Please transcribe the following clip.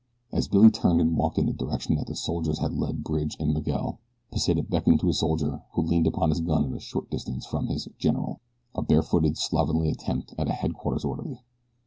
As Billy turned and walked in the direction that the soldiers had led Bridge and Miguel, Pesita beckoned to a soldier who leaned upon his gun at a short distance from his "general" a barefooted, slovenly attempt at a headquarters orderly.